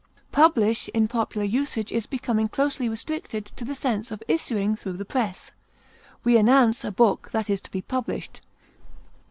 Publish, in popular usage, is becoming closely restricted to the sense of issuing through the press; we announce a book that is to be published.